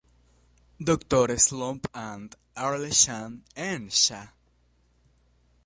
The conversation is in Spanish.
Dr. Slump and Arale-chan: N-cha!!